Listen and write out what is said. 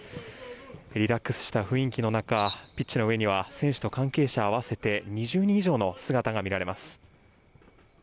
リラックスした雰囲気の中ピッチの上には選手と関係者合わせて２０人以上の姿が見られます。